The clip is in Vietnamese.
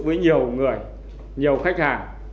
với nhiều người nhiều khách hàng